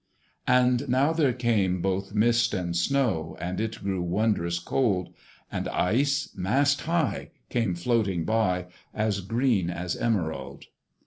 And now there came both mist and snow, And it grew wondrous cold: And ice, mast high, came floating by, As green as emerald.